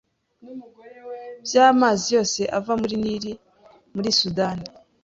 byamazi yose ava muri Nili Muri Sudani